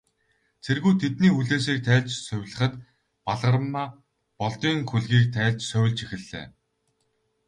Цэргүүд тэдний хүлээсийг тайлж, сувилахад, Балгармаа Болдын хүлгийг тайлж сувилж эхэллээ.